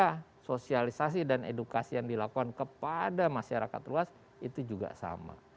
karena sosialisasi dan edukasi yang dilakukan kepada masyarakat luas itu juga sama